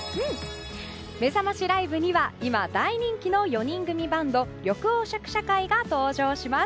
めざましライブには今、大人気の４人組バンド緑黄色社会が登場します。